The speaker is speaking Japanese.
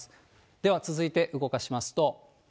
では続いて動かしますと。